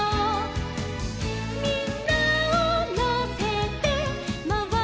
「みんなをのせてまわりました」